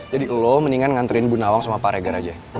jadi lo mendingan ngantriin bu nawang sama pak regar aja